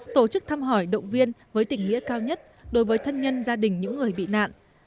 tổ chức thăm hỏi động viên với tỉnh nghĩa cao nhất đối với thân nhân gia đình những người bị nạn